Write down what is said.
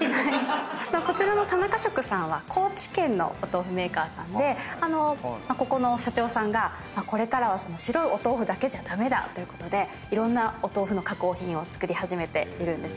こちらのタナカショクさんは高知県のお豆腐メーカーさんでここの社長さんがこれからは白いお豆腐だけじゃ駄目だといろんなお豆腐の加工品を作り始めているんですね。